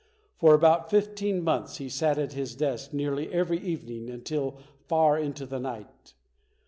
For about fifteen months, he sat at his desk nearly every evening until far into the night.